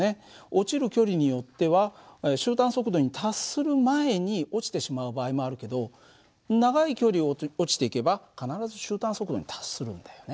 落ちる距離によっては終端速度に達する前に落ちてしまう場合もあるけど長い距離を落ちていけば必ず終端速度に達するんだよね。